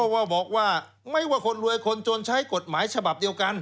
ว่าบอกว่าไม่ว่าคนรวยคนจนใช้กฎหมายฉบับเดียวกัน